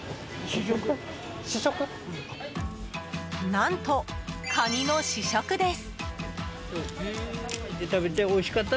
何と、カニの試食です。